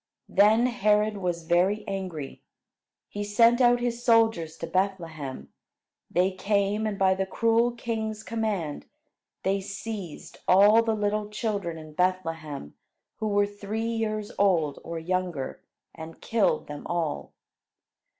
Then Herod was very angry. He sent out his soldiers to Bethlehem. They came, and by the cruel king's command they seized all the little children in Bethlehem who were three years old, or younger, and killed them all.